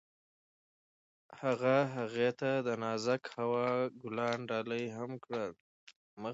هغه هغې ته د نازک هوا ګلان ډالۍ هم کړل.